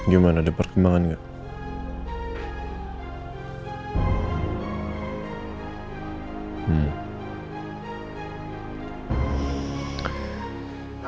gimana ada perkembangan gak